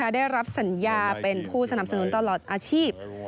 ได้รับสัญญาเป็นผู้สนับสนุนตลอดอาชีพ